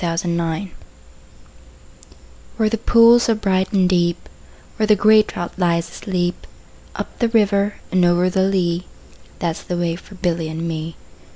A Boy's Song WHERE the pools are bright and deep, Where the grey trout lies asleep, Up the river and over the lea, That 's the way for Billy and me.